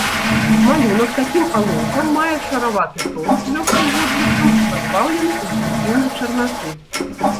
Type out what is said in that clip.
Малюнак такім алоўкам мае шараваты тон з лёгкім водбліскам і пазбаўлены інтэнсіўнай чарнаты.